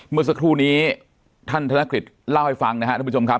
เมื่อสักครู่นี้ท่านธนกฤษเล่าให้ฟังนะครับทุกผู้ชมครับ